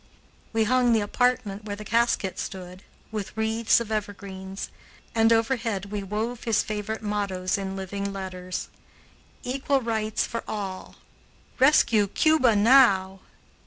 We hung the apartment where the casket stood with wreaths of evergreens, and overhead we wove his favorite mottoes in living letters, "Equal rights for all!" "Rescue Cuba now!"